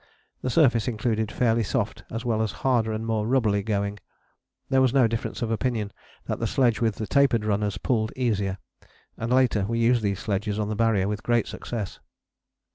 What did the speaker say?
The surface included fairly soft as well as harder and more rubbly going. There was no difference of opinion that the sledge with the tapered runners pulled easier, and later we used these sledges on the Barrier with great success.